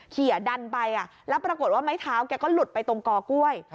เขียดันไปแล้วปรากฏว่าไม้เท้าแกก็หลุดไปตรงกอกล้วย